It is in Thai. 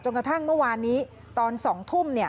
กระทั่งเมื่อวานนี้ตอน๒ทุ่ม